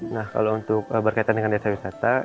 nah kalau untuk berkaitan dengan desa wisata